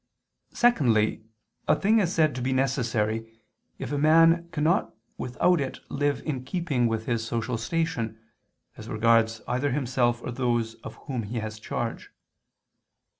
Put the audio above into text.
Secondly, a thing is said to be necessary, if a man cannot without it live in keeping with his social station, as regards either himself or those of whom he has charge.